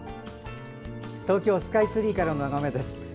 東京スカイツリーからの眺めです。